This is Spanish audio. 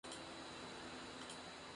Su investigación tiene dos rumbos.